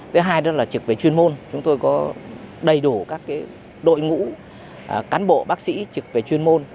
thứ hai đó là trực về chuyên môn chúng tôi có đầy đủ các đội ngũ cán bộ bác sĩ trực về chuyên môn